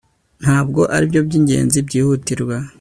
ntabwo aribyo byingenzi byihutirwa